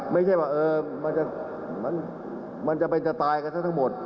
ไม่ใช่ว่ามันจะเป็นจะตายกันซะทั้งหมด